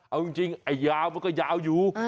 เอาจริงไอ้ยาวมันก็ยาวอยู่